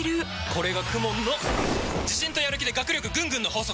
これがＫＵＭＯＮの自信とやる気で学力ぐんぐんの法則！